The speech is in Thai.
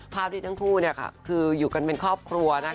ภาพที่ทั้งคู่คืออยู่กันเป็นครอบครัว